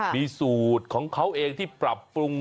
มีสูตรของเขาเองที่ปรับปรุง